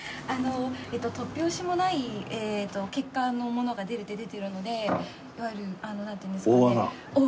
突拍子もない結果のものが出るって出ているのでいわゆるなんていうんですか。